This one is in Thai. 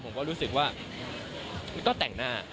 ผมก็รู้สึกว่าก็แต่งหน้า